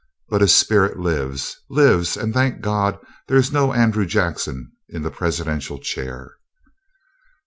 But his spirit lives—lives, and thank God there is no Andrew Jackson in the presidential chair!"